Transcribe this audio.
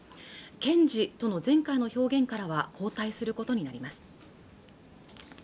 堅持との前回の表現からは後退することになります